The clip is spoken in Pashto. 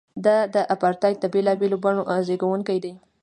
دا د اپارټایډ د بېلابېلو بڼو زیږوونکی دی.